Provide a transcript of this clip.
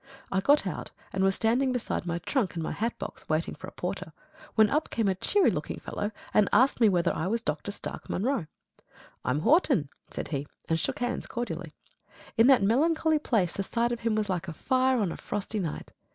I got out, and was standing beside my trunk and my hat box, waiting for a porter, when up came a cheery looking fellow and asked me whether I was Dr. Stark Munro. "I'm Horton," said he; and shook hands cordially. In that melancholy place the sight of him was like a fire on a frosty night.